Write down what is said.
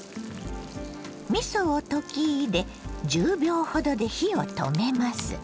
みそを溶き入れ１０秒ほどで火を止めます。